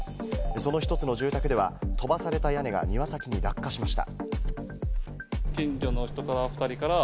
その１つの住宅では飛ばされた屋根が庭先に落下しました。